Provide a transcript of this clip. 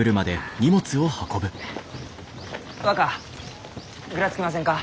若ぐらつきませんか？